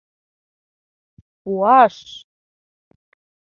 — Пуаш!